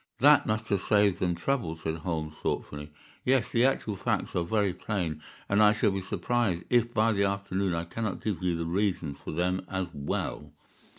"That must have saved them trouble," said Holmes, thoughtfully. "Yes, the actual facts are very plain, and I shall be surprised if by the afternoon I cannot give you the reasons for them as well.